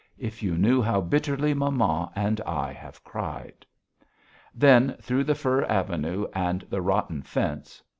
If you knew how bitterly mamma and I have cried." Then through the fir avenue and the rotten fence.